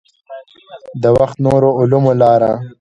د وخت نورو علومو لاره.